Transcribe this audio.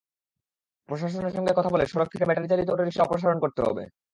প্রশাসনের সঙ্গে কথা বলে সড়ক থেকে ব্যাটারিচালিত অটোরিকশা অপসারণ করা হবে।